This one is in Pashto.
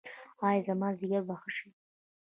ایا زما ځیګر به ښه شي؟